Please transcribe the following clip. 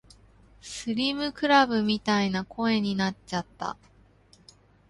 スリムクラブみたいな声になっちゃった